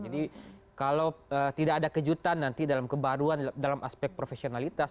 jadi kalau tidak ada kejutan nanti dalam kebaruan dalam aspek profesionalitas